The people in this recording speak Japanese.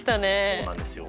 そうなんですよ。